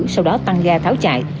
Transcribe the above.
sau đó tăng ga tháo chạy